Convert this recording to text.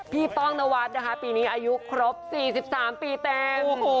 พี่ป้องนวัสปีนี้อายุครบ๔๓ปีเต็ม